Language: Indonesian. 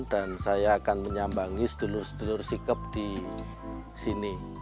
dan saya akan menyambangi segelurus sikep di sini